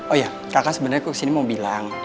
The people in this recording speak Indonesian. oh iya kakak sebenarnya kok kesini mau bilang